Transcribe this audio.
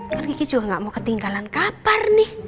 kan kiki juga gak mau ketinggalan kapan nih